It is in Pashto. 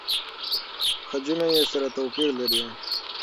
خجونه يې سره توپیر لري.